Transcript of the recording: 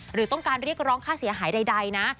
หรือต้องการเรียกร้องค่าเสียหายใดนะ